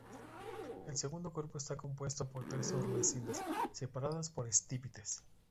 El segundo cuerpo está compuesto por tres hornacinas separadas por estípites.